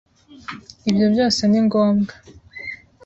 Ibyo byose ni ngombwa